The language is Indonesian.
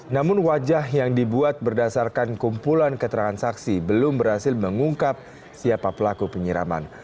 namun wajah yang dibuat berdasarkan kumpulan keterangan saksi belum berhasil mengungkap siapa pelaku penyiraman